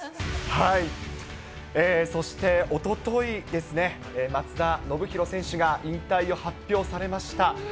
そしておとといですね、松田宣浩選手が引退を発表されました。